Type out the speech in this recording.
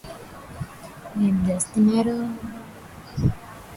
"Wonderful" is the final realization and arguably passion-fused, more so then the title track.